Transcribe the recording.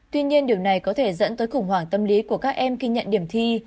tuy nhiên điều này có thể dẫn tới khủng hoảng tâm lý của các em khi nhận điểm thi